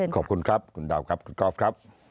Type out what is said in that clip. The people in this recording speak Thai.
ขอบคุณครับคุณดาวครับคุณกอล์ฟครับ